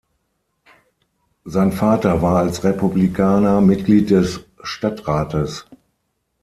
Sein Vater war als Republikaner Mitglied des Stadtrates.